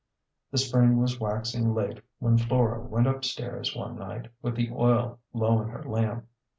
The spring was waxing late when Flora went up stairs one night with the oil low in her lamp.